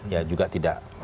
ya juga tidak